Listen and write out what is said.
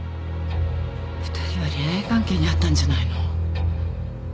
２人は恋愛関係にあったんじゃないの？